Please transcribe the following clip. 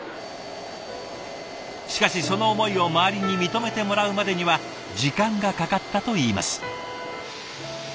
しかしその思いを周りに認めてもらうまでには時間がかかったといいます。